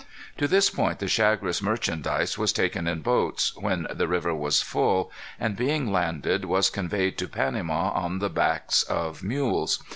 To this point the Chagres merchandise was taken in boats, when the river was full, and, being landed, was conveyed to Panama on the backs of mules.